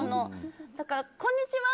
だから、こんにちは！